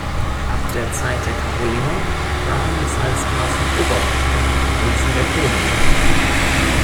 Ab der Zeit der Karolinger waren die Pfalzgrafen Oberrichter an den Höfen der Könige.